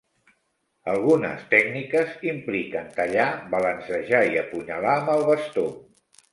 Algunes tècniques impliquen tallar, balancejar i apunyalar amb el bastó.